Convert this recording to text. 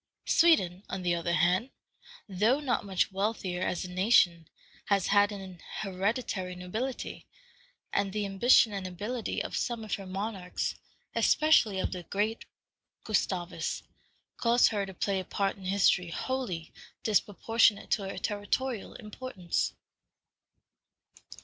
Sweden, on the other hand, though not much wealthier as a nation, has had an hereditary nobility, and the ambition and ability of some of her monarchs, especially of the great Gustavus, caused her to play a part in history wholly disproportionate to her territorial importance.